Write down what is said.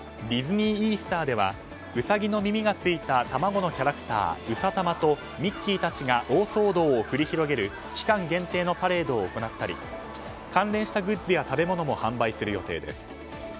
ディズニー・イースターではウサギの耳がついた卵のキャラクターうさたまと、ミッキーたちが大騒動を繰り広げる期間限定のパレードを行ったり関連したグッズや食べ物も販売する予定です。